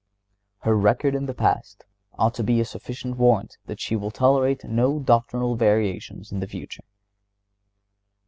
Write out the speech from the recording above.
Her record in the past ought to be a sufficient warrant that she will tolerate no doctrinal variations in the future.